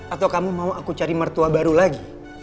atau kamu mau aku cari mertua baru lagi